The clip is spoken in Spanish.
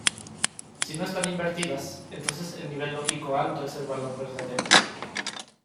Si no están invertidas, entonces el nivel lógico alto es el valor verdadero.